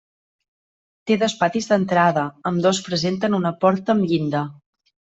Té dos patis d'entrada, ambdós presenten una porta amb llinda.